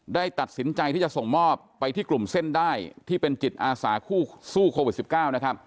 ได้ตัดสินใจที่จะส่งมอบไปที่กลุ่มเส้นได้ที่เป็นจิตอาสาคู่สู้โควิด๑๙นะครับ